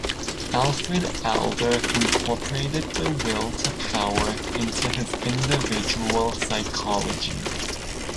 Alfred Adler incorporated the will to power into his individual psychology.